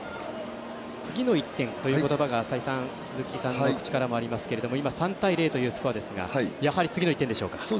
次の１点という言葉が再三、鈴木さんの口からもありますけど今、３対０というスコアですがやはり次の１点でしょうか？